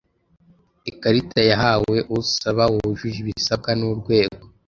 Ikarita yahawe usaba wujuje ibisabwa n’Urwego